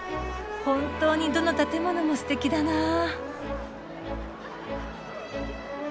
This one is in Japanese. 本当にどの建物もすてきだな。